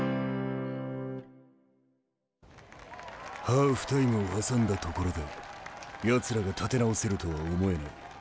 ハーフタイムを挟んだところでやつらが立て直せるとは思えない。